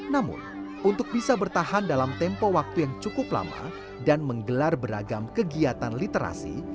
namun untuk bisa bertahan dalam tempo waktu yang cukup lama dan menggelar beragam kegiatan literasi